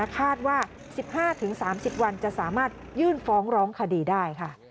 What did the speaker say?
คาดว่า๑๕๓๐วันจะสามารถยื่นฟ้องร้องคดีได้ค่ะ